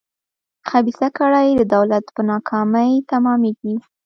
خبیثه کړۍ د دولت په ناکامۍ تمامېږي.